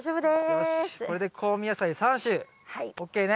よしこれで香味野菜３種ＯＫね。